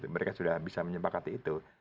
mereka sudah bisa menyepakati itu